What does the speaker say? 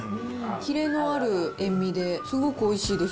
キレのある塩味で、すごくおいしいです。